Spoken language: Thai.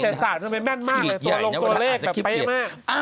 เฉินสารทำไมแม่นมากตัวลงตัวเลขกลับเป้นมาก